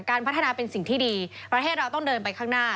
พัฒนาเป็นสิ่งที่ดีประเทศเราต้องเดินไปข้างหน้า